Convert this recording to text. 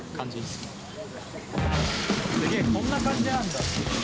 すげぇ、こんな感じなんだ。